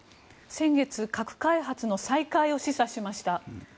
先月核開発の再開を示唆しました。